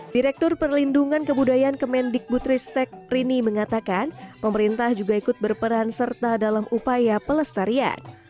direktur perlindungan kebudayaan kemendikbutristek rini mengatakan pemerintah juga ikut berperan serta dalam upaya pelestarian